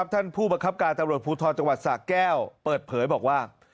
ท่านผู้บังคับการตำรวจภูทรจังหวัดสะแก้วเปิดเผยบอกว่า